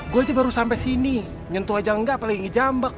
gue aja baru sampai sini nyentuh aja enggak apalagi ngejambek